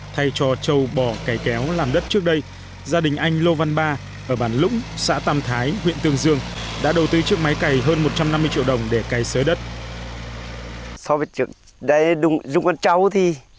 thay cho châu bò cày kéo làm đất trước đây gia đình anh lô văn ba ở bản lũng xã tam thái huyện tương dương đã đầu tư chiếc máy cày hơn một trăm năm mươi triệu đồng để cày sới đất